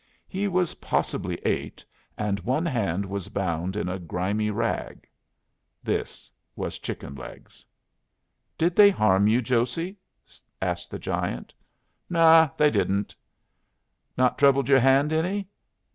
He was possibly eight, and one hand was bound in a grimy rag. This was Chickenlegs. "Did they harm you, Josey?" asked the giant. "Naw, they didn't." "Not troubled your hand any?"